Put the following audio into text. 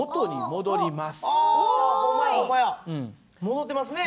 戻ってますね！